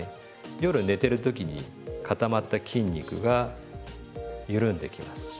夜寝てる時に固まった筋肉が緩んできます。